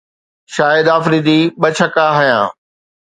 شاهد آفريدي ٻه ڇڪا هنيا